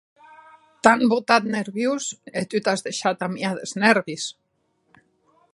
T’an botat nerviós e tu t’as deishat amiar des nèrvis.